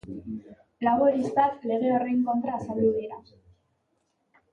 Laboristak lege horren kontra azaldu dira.